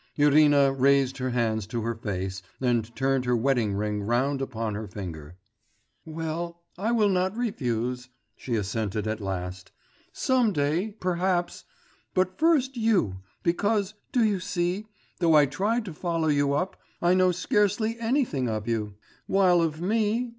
Irina raised her hands to her face and turned her wedding ring round upon her finger. 'Well? I will not refuse,' she assented at last. 'Some day ... perhaps.... But first you ... because, do you see, though I tried to follow you up, I know scarcely anything of you; while of me